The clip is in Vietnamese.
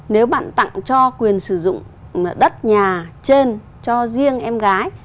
nếu bạn tặng cho quyền sử dụng đất nhà trên cho riêng em gái